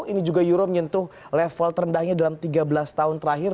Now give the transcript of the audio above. ini juga euro menyentuh level terendahnya dalam tiga belas tahun terakhir